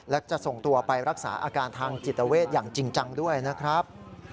และจะส่งตัวไปรักษาอาการทางจิตเวทอย่างจริงจังด้วยนะครับ